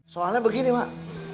soalnya begini mak